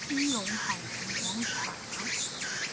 基隆海洋廣場